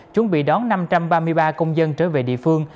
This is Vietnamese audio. chuẩn bị đón năm trăm ba mươi ba công dân trở về địa phương